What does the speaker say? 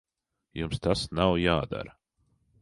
Jums tas nav jādara.